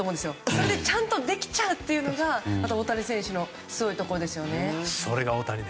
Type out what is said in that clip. それでちゃんとできちゃうのが大谷選手のすごいところですね。